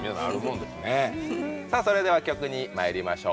それでは曲にまいりましょう。